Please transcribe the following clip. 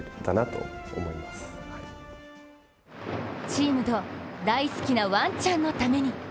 チームと大好きなワンちゃんのために。